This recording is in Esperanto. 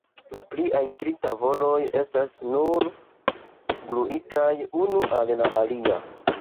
La pliaj tri tavoloj estas nur gluitaj unu al la alia.